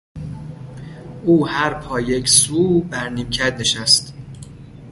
او هر پا یک سو بر نیمکت نشست.